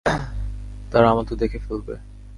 তারা আমাদের দেখে ফেলবে।